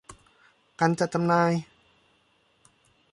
การจัดจำหน่าย